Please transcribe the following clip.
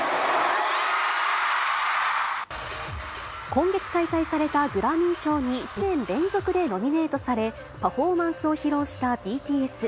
今月開催されたグラミー賞に２年連続でノミネートされ、パフォーマンスを披露したＢＴＳ。